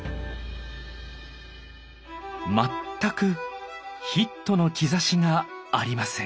全くヒットの兆しがありません。